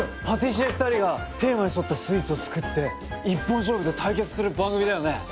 パティシエ２人がテーマに沿ったスイーツを作って一本勝負で対決する番組だよね？